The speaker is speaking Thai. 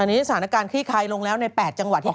อันนี้สถานการณ์ขี้ไคลลงแล้วใน๘จังหวัดที่ต่อไป